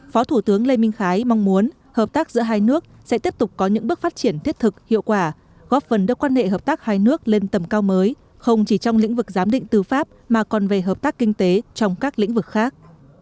phó thủ tướng lê minh khái mong muốn hợp tác giữa hai nước sẽ tiếp tục có những bước phát triển thiết thực hiệu quả góp phần đưa quan hệ hợp tác hai nước lên tầm cao mới không chỉ trong lĩnh vực giám định tư pháp mà còn về hợp tác kinh tế trong các lĩnh vực khác